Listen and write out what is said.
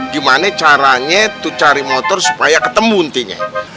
gimana caranya lu cari motor supaya ketemu ntinya